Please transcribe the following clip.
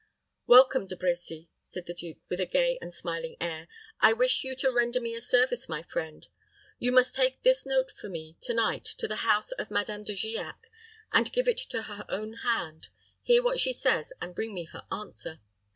"Welcome, De Brecy," said the duke, with a gay and smiling air; "I wish you to render me a service, my friend. You must take this note for me to night to the house of Madame De Giac, give it into her own hand, hear what she says, and bring me her answer.